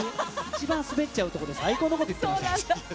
一番滑っちゃうところで最高のこと言ってました。